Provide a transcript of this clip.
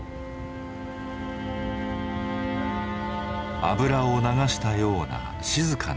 油を流したような静かな海。